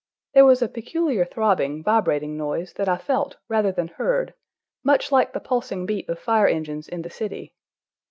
There was a peculiar throbbing, vibrating noise that I felt rather than heard, much like the pulsing beat of fire engines in the city.